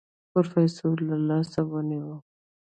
پروفيسر له لاسه ونيو.